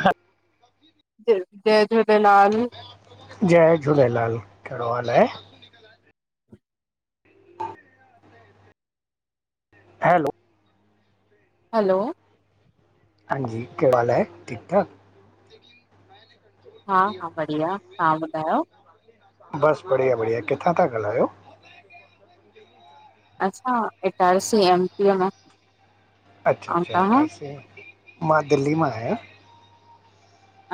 हा - - जय झूलेलाल। जय झूलेलाल कहिड़ो हाल आहे? हैलो - - हलो - - हांजी कहिड़े हाल आहे? ठीक ठाक। [inaudible] हा हा बढ़िया। तहां ॿुधायो? बस बढ़िया- बढ़िया किथां था ॻाल्हायो? असां इटारसी एम पी मां। अच्छा- ऐं अच्छा तव्हां इटारसी मां दिल्ली मां आहियां।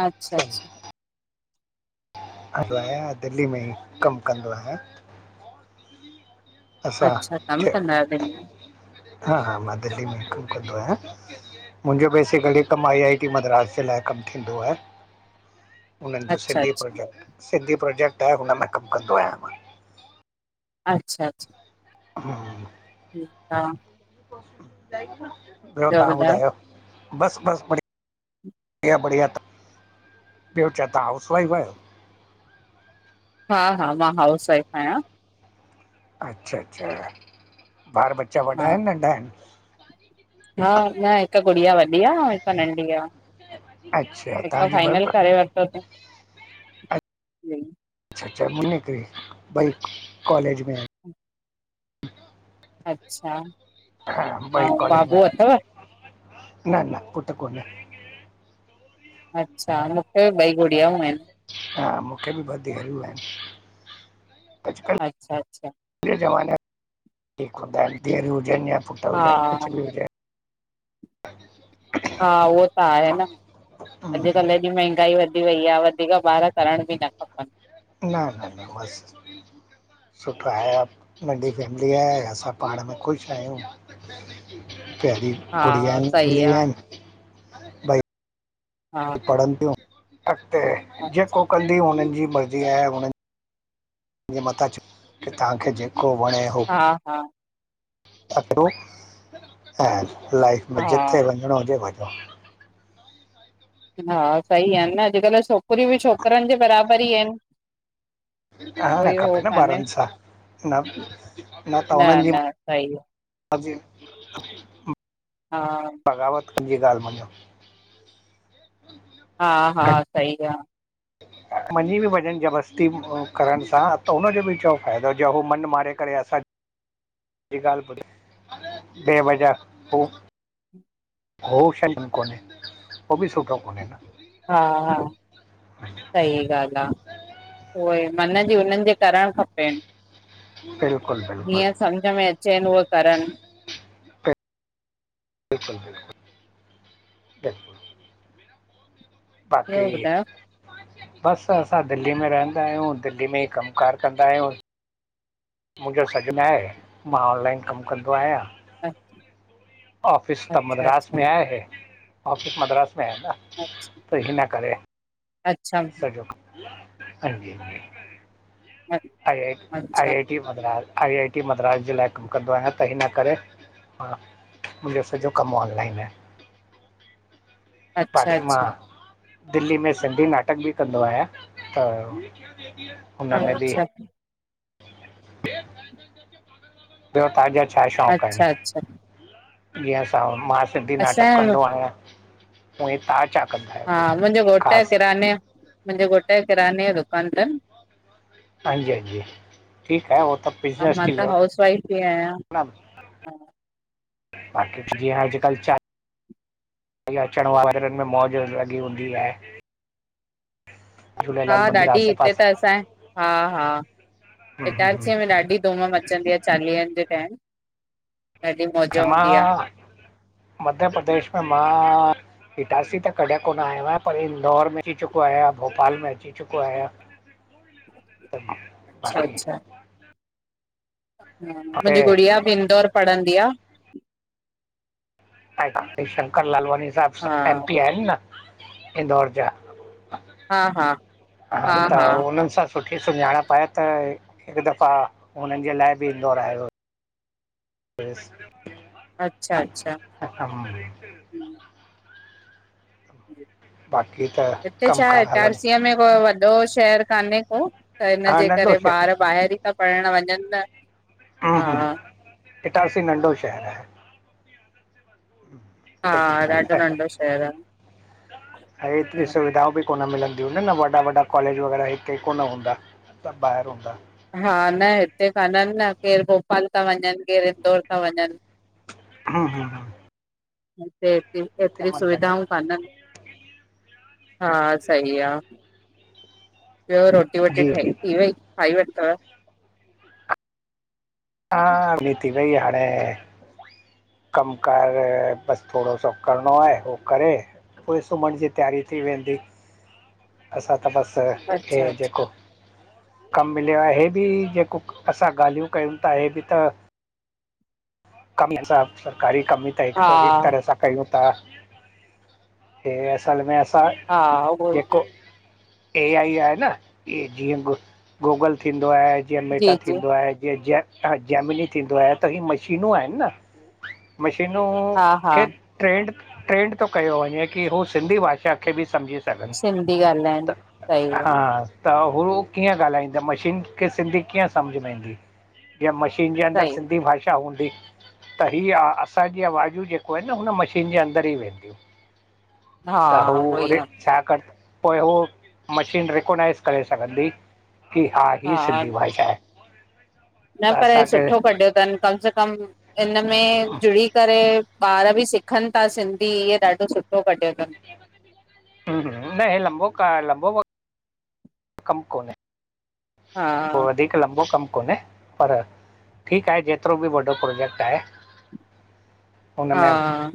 अच्छा असां अच्छा - - आहियां दिल्ली में ई कमु कंदो आहियां। असां अच्छा तव्हां च बि कंदा आहियो दिल्ली में - - हा हा मां दिल्ली में ही कमु कंदो आहियां मुंहिंजो बेसिकल जी। कम - - मद्रास जे लाइ कमु थींदो आहे उन्हन जो अच्छा सिंधी अच्छा प्रोजेक्ट। सिंधी प्रोजेक्ट आहे हुन में कमु कंदो आहियां मां। अच्छा- अच्छा। [unintelligible] हा ॿियो तहां ॿुधायो? बस -बस बढ़िया- बढ़िया -बढ़िया थ ॿोयो छा ता हाउसवाइफ आयो? हा- हा मां हाउस वाइफ आहियां। अच्छा -अच्छा ॿार बचा वॾा हा आहिनि नंढा आहिनि? हा न हिकु गुड़िया वॾी आहे ऐं हिकु नंढी आ। अच्छा हिक तव्हांजी ॿ फाइनल करे वठो तई। अच्छा अच्छा मुरे ॿई कॉलेज में आहेन। अच्छा हा ॿई ऐं कॉलेज में बाबू अथव? न न पुट कोने। अच्छा मूंखे भी ॿई गुड़ियाऊं आहिन। हा मूंखे बि ॿ धियरियूं आहिन। अच्छा -अच्छा। अ जे ज़माने ठीकु हूंदा आहिन धीअर हुजनि या पुटु हा हुजनि कुझु बि हुजेन। हा उहो त आहे न हम्म, हम्म, अॼुकल्ह एॾी महांगाई वधी वई आहे। वधीक ॿार करण बि न खपन। न -न- न मस्त। सुठो आहे, नंढी फैमिली आहे, असां पाण में ख़ुश आहियूं। प्यारी गुड़िया हा सही मिली आ। आहेन। हा पणन तिंयू, अॻते अच्छा जेको कन हुननि जी मर्ज़ी आहे, हुननि जे मथां छॾयो कि तव्हांखे जेको वणे हा हा ऐं लाइफ में हा जिथे वंञिणो हुजे वंञो। हा सही आ न, अॼुकल्ह छोकिरियूं बि छोकरन जे बराबर ई आहिन। रहन खपे न कान्हे। ॿारहनि सां न न त उन्हनि जी न सही अ [unintelligible] हा बगावतं हिंज जी ॻाल मंञो। हा हा, सई आ। मंञीं बि वंञनि जबरस्ती करण सां त हुनजो बि छा फ़ाइदो जो हू मनु मारे करे असांखे [inaudible] ॿी ॻाल्हि ॿुधयो बे वजा पोइ [unintelligible] हो शभ कोनहे, हू बि सुठो कोन एं का। हाम्म सही ॻाल आ। उहे मन जी उननि जे करणु खपे। बिल्कुलु बिल्कुलु जीअं सम्झ में अचेनि हूअ करन। बिलकुलु, बिलकुलु सही [unintelligible] बाक़ी ॿियो ॿुधायो? बसि असां दिल्ली में रहंदा आहियूं, दिल्ली में ई कमुकार कंदा आहियूं। मुंजो सॾ न आहे, मां ऑनलाइन कमु कंदो आहियां। ऑफिस त अच्छा मद्रास अच्छा में आहे, ऑफिस मद्रास में ह न, त हिन करे अचछा सॼो, हांजी। आई आई, अच्छा I I T Madras, I I T Madras ॼे लाइ कमु कंदो आहियां त हिन करे हा मुंहिंॼो सॼो कमु ऑनलाइन आए। [inaudible] अच्छा अच्छा पाखी मां [unintelligible] दिल्ली में सिंधी नाटक ॿि कंदो आहियां त हुन में बि अच्छा ॿियो तांजा छा शौक़ु आहिन? स [unintelligible] ॼींअं असां मां सिंधी नाटक असांजो कंदो आहियां, उवंई ता छा कंदा आहियो हा कुझु मुंॼे घोट यो, ख़ासि किराने यो मुंहिंॼे घोट यो किराने यो दुकान थन। हांजी हांजी ठीक आ, उहो त ऐं ॿिज़नस मां थी त वियो। हाउस वाइफ ई आहियां ॿाक़ी ॼींअं अॼुकल चा हींयं अचण वाॻरनि में मौॼ लॻी हुंदी आए। हा मंदरु ॾाढी आसे हिते पासे त असांॼे, हा- हा हम्म, हम्म, इटारसीअ में हम्म। ॾाढी धुम मच् पचंदी आ चालीहन ॼे टाइम। ॾाढी मौज हूंदी आहे मां मध्य प्रदेश में मां। इटारसी त कॾहिं कोन्ह आयो आहियां। पर इंदौर में अची चुको आयां भोपाल में अची चुको आहियां त मां अच्छा ॿाक़ी। हुते मुंजी गुड़िया ॿि इंदौर पढ़ंदी आ। शंकर लालवानी साहिॿ हा एमपी आहिनि न इंदौर ॼा। हा हा हा त उन्हनि सां। सुठी सुञांणप आए। त हिकु दफ़ा हुननि ॼे लाए ॿि, इंदोर आयो हो। फेस। अच्छा, अच्छा। [unintelligible] बाक़ी त हिते छा ऐ कमकार हलनि इटारसीअ में को वॾो। शहर कान्हे को त हा इनॼे नंढो करे शहर ॿार ॿाहिरि ई ता पहिणं वंञंनि न। हम्म, हा हम्म, इटारसी नंढो शहर आहे। हा सच्ची ॻाल्हि ॾाढो आहे। नंढो शहर आहे ऐं एतिरी सुविधाऊं ॿि, कोन मिलंदियूं इन न वॾा वॾा कॉलेॼ वग़ैरह हिते कोन हूंदा त ॿाहिरि हूंदा। हा। न हिते कान्हनि न केरु भोपाल ता वञनि केरु इन्दौर ता वञनि। हा, हा, हा। हिते एतिरी ऐतिरियूं लॻे सुविधाऊं काननि। हा, सही आ। ॿियो रोटी वोटी जी जी ठही थी वई खाई वरतव? हा। रो थी वई हाणे। कमुकार ॿसि थोड़ो सो करिणो आहे। हो करे। पोए सुम्हण ॼी तैयारी थी वेंदी। असां त ॿसि हे अच्छा अच्छा ॼेको। कमु मिलियो आ हे ॿि ॼेको असां ॻाल्हियूं कयूं ता हे ॿि त। कमी च् आ सरकारी कमी त हिकु हा तरीक हिक तरहि सां। कयूं ता हे असल में असां हा उहो ॼेको। ए आई आ न इहे ॼीअं गु गूगल थींदो आहे। ॼीअं मेटा जी जी थींदो आहे ॼीअं ॼे ॼैमिनी थींदो आहे त ही मशीनूं आहिनि न। मशीनूं हा हा खे। ट्रेंड ट्रेंड तो कयो वंञें कि हो सिंधी भाषा खे ॿि सम्झी सिंधी त, ॻाल्हाइनि सही आ हा। [unintelligible] त हू कीअं ॻाल्हाईंदा मशीन खे सिंधी कीअं सम्झि में ईंदी? ॼीअं मशीन ॼे अंदरि सही आ सिंधी भाषा हूंदी। त ही असांॼी अवाजूं ॼेको आहिन न हुन मशीन ॼे अन्दर ई वेंदियूं। त हू हा उहो ई वरी आ छा कर पोइ हू मशीन रिकोनाइज़ करे सघंदी। की हा हीअ सिंधी भाषा आहे। त न पर ही असांखे सुठो हम्म, कढियो अथनि कम से कम हिनन में जुड़ी करे ॿार बि सिखनि था सिंधी इहो ॾाढो सुठो कढियो अथनि। न हे लंबो, लंबो वक़्त। कमु कोन्हे, हा पोइ वरी। लंबो कमु कोन्हे, पर ठीकु आहे। जेतिरो बि वॾो प्रोजेक्ट आहे। [inaudible] हुन में हा।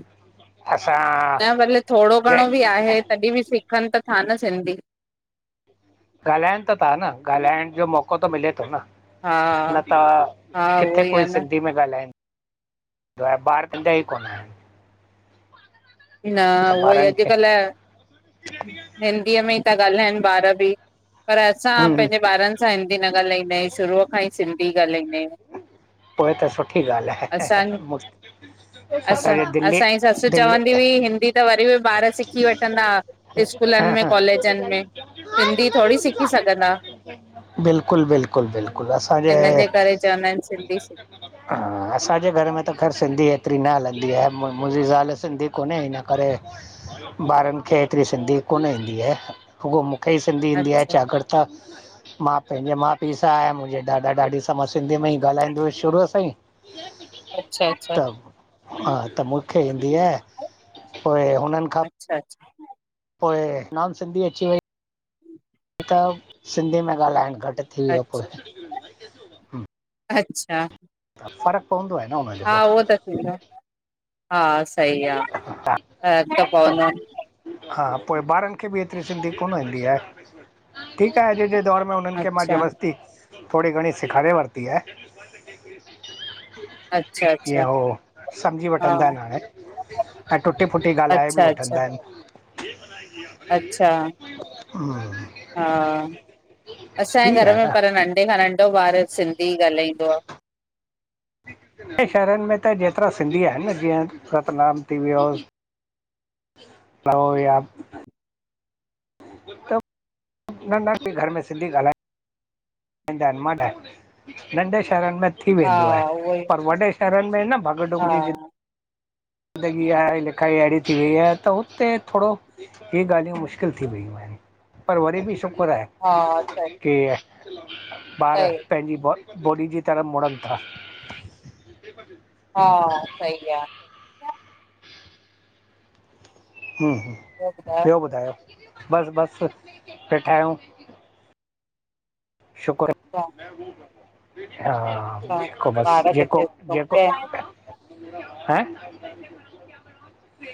असां न भले थोड़ो जे घणो बि आहे। तॾहिं बि सिखनि त था न सिंधी। ॻाल्हानि त ता न ॻाल्हाइण जो मौको त मिले तो न। हा न त हा उहो किथे ई आहे कोई न सिंधी में ॻाल्हाए। त ॿारु कंदा ई कोननि। न त उहोई ॿारनि खे अॼुकल्ह हिंदीअ में ई ता ॻाल्हाइनि ॿारु बि, पर असां हम्म, हम्म, पंहिंजे ॿारनि सां हिंदी न ॻाल्हाईंदा आहियूं, शरूअ खां ही सिंधी ॻाल्हाईंदा आहियूं। पोए त सुठी ॻाल्हि असां आहें। असां, असांजी ससु दिल्ली चवंदी हुई हिंदी त वरी बि ॿारु सिखी वठंदा हा स्कूलनि में हा कॉलेजनि में सिंधी थोरी सिखी सघंदा बिल्कुलु बिल्कुलु बिल्कुलु असांजे हिनजे करे चवंदा आहिनि सिंधी सिख हा असांजे घर में त ख़ैर सिंधी एतिरी न हलंदी आए, मुंहिंजी ज़ाल सिंधी कोने हिन करे, ॿारनि खे एतिरी सिंधी कोन ईंदी आहे, रूॻो मूंखे ई सिंधी ईंदी आहे अच्छा छाकर्ता मां पंहिंजे माउ पीउ सां आयां, मुंहिंजे ॾाॾा ॾाॾी सां मां सिंधीअ में ई ॻाल्हाईंदो हुय शुरूअ सां ई, अच्छा अच्छा त हा त मूंखे ईंदी आहे, पो हुननि खां अच्छा अच्छा पोए नाॅन सिंधी अची वई। त सिंधी में ॻाल्हाइणु घटि थी वियो अच्छा पोइ। अच्छा त फ़र्क़ु पवंदो आए न हुनजो हा हो। उहो त हा सही आ। फर्क त पवंदो आ हा पोइ ॿारनि मूंखे बि एतिरी सिंधी कोनि ईंदी आहे, ठीकु आ अॼु जे दौर में उननि खे मां अच्छा ज़बरस्ती थोडी घणी सेखारे वरिती आहे। अच्छा ईय अच्छा हो सम्झी हा वठंदा आहिनि हाणे, ऐं टुटी फ़ुटी ॻाल्हाए बि अच्छा अच्छा वठंदा आहिनि। अच्छा हा [unintelligible] हा असांजे ठीकु घर में आहे पर नंढे खां नंढो ॿारु सिंधी ही ॻाल्हाईंदो आ। नंढे शहरनि में त जेतिरा सिंधी आहिनि न, जीअं रतनाम थी वियो। पर उहोई आ। त न न कोई घर में सिंधी ॻाल्हाय [unintelligible] नंढे शहरनि में थी हा वेंदो आहे, उहो ई पर वॾे शहरनि में न भॻडुग हा जी जिं ज़िंदगी आए लिखाई अहिड़ी थी वई आ, त हुते थोडो इहे ॻाल्हियूं मुश्किलु थी वियूं आहिनि। पर वरी बि शुक्र आहे। हा सही की ॿारु, सही पंहिंजी बॉडी जी तरह मुड़नि था। हा सही आ। हू हू ॿियो ॿुधाय? ॿियो ॿुधायो बसि बसि वेठा आहियूं। शुक्र हा हा ॼेको बस, ॿार ॼेको किथे सुम ॼेको पिया आहिन है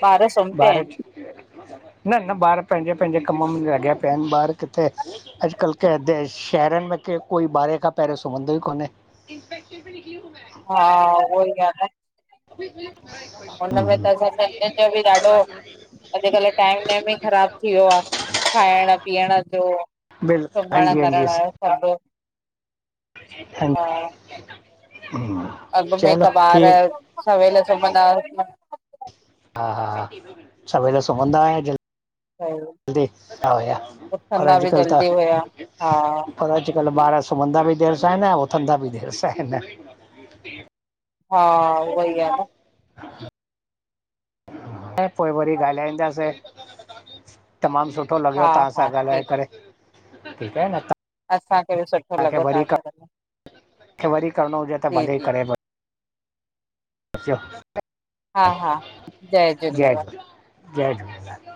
ॿार सुम पिया आहिन भारच न न ॿार पहिजे पहिजे कम्म मे लॻया पया आहिनि, ॿारु किथे अॼुकल्ह कै देश शहरन मे केर, कोई ॿारहें खा पहिरयों सुम्हदो ई कोन्हें। इस्ट्रोबेरी पी हूं मैं। हा, उहोई आ न। उनमे त असा सिधिन जो बि ॾाढ़ो, अॼकल्ह टाइम नेम ई ख़राब थी व्यो आ, खाइण पीअण जो, बिल्कुलु सुमण हांजी करण जो, सभ। हूं हूं अॻमें त ॿार सवेल सुमंदा हा। हा हा हा, सवेल सुम्हदा हा, ऐं जल्दी उथदा हुया, पर उथंदा बि अॼकल त, जल्दी हुया हा पर अॼकल्ह ॿार सुम्हदा बि देर सा एन, ऐं उथदा बि देर सां एन। हा, उअई आ न। अड़े! पोइ वरी ॻाल्हाईंदासे, तमाम सुठो लॻयो हा तहां हा सां ॻाल्हाए ठीकु करे। ठीक आयो न तां? असांखे बि सुठो तांखे लॻो वरी, तव्हां सां ॻाल्हाए तांखे वरी करणो हुजे त जी भले जी करे वठो। अचो हा हा, जय झूलेलाल! जय झूलेलाल!